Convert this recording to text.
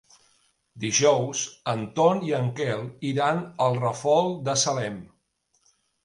Dijous en Ton i en Quel iran al Ràfol de Salem.